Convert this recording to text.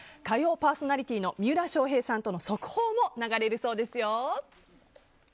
火曜パーソナリティーの三浦翔平さんとの速報も流れるそうですよ。